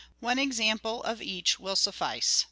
One example of each will suffice.